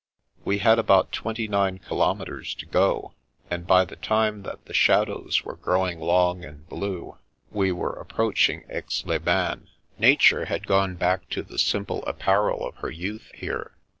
We had about twenty nine kilometres to go, and by the time that the shadows were growing long dnd blue, we were approaching Aix les Bains. 235 236 The Princess Passes Nature had gone back to the simple apparel of her youth, here.